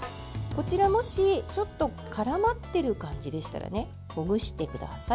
こちら、もし、ちょっと絡まっている感じでしたらねほぐしてください。